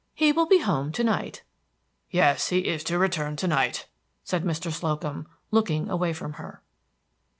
"He will be home to night." "Yes, he is to return to night," said Mr. Slocum, looking away from her.